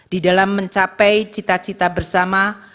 di dalam mencapai cita cita bersama